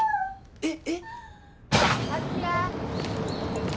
えっ？